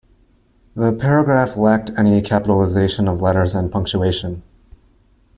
The paragraph lacked any capitalization of letters and punctuation.